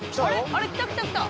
あれ来た来た来た！